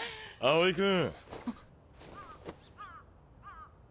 青井君。